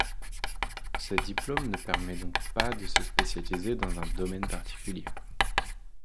Ce diplôme ne permet donc pas de se spécialiser dans un domaine particulier.